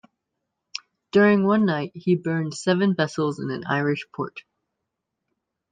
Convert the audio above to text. During one night he burned seven vessels in an Irish port.